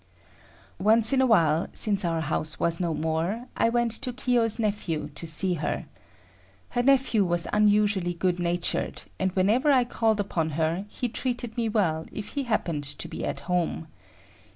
Once in a while, since our house was no more, I went to Kiyo's nephew's to see her. Her nephew was unusually good natured, and whenever I called upon her, he treated me well if he happened to be at home.